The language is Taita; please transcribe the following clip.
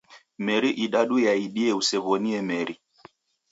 Meri idadu yaidie usew'onie meri.